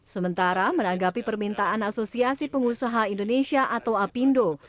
sementara menanggapi permintaan asosiasi pengusaha indonesia atau apindo